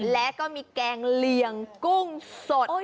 และก็มีแกงเลียงกุ้งสด